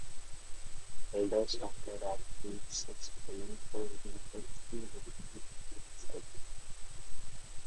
Adler started at age six playing for VfB Leipzig's youth side.